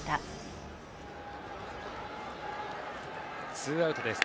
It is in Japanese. ツーアウトです。